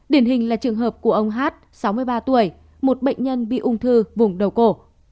điển hình là trường hợp của ông hát sáu mươi ba tuổi một bệnh nhân bị ung thư vùng đầu cổ